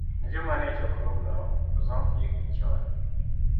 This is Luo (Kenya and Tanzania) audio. ni joma nie chokruogno osom, ikgi chon.